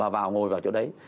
và ngồi vào chỗ đấy